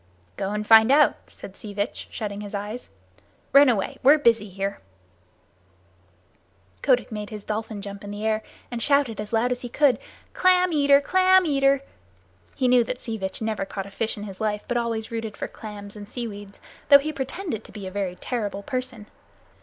"Go and find out," said Sea Vitch, shutting his eyes. "Run away. We're busy here." Kotick made his dolphin jump in the air and shouted as loud as he could: "Clam eater! Clam eater!" He knew that Sea Vitch never caught a fish in his life but always rooted for clams and seaweed; though he pretended to be a very terrible person.